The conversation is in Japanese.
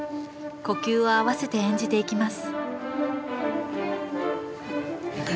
呼吸を合わせて演じていきます